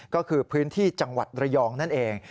ก็คือพื้นที่จังหวัดระยองนั่นเอง